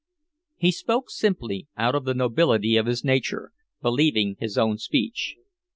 He spoke simply, out of the nobility of his nature, believing his own speech.